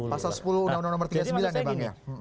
pasal sepuluh undang undang nomor tiga puluh sembilan ya bang ya